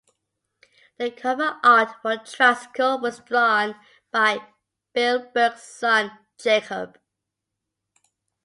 The cover art for "Tricycle" was drawn by Bill Berg's son Jacob.